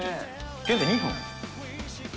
現在２分。